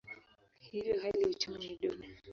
Hivyo hali ya uchumi ni duni.